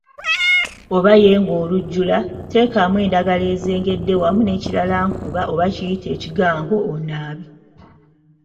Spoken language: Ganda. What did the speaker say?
Oba yenga olujjula, teekamu endagala ezengedde wamu n'ekiraalankuba oba kiyite ekigango onaabe.